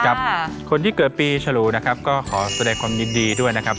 คนที่เกิดปีฉลูนะครับก็ขอแสดงความยินดีด้วยนะครับ